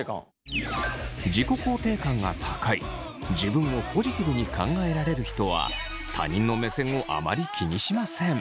自分をポジティブに考えられる人は他人の目線をあまり気にしません。